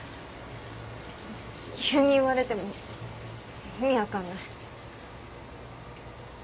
急に言われても意味分かんない。